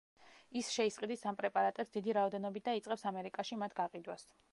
ის შეისყიდის ამ პრეპარატებს დიდი რაოდენობით და იწყებს ამერიკაში მათ გაყიდვას.